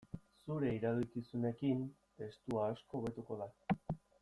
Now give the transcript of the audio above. Zure iradokizunekin testua asko hobetuko da.